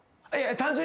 単純に。